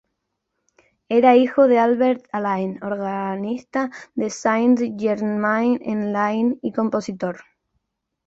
Era hijo de Albert Alain, organista de Saint-Germain-en-Laye y compositor.